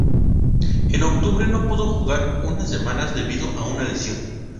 En octubre, no pudo jugar unas semanas debido a una lesión.